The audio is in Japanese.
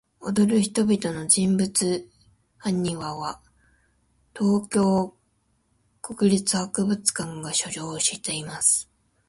踊る人々の人物埴輪は、東京国立博物館が所蔵しています。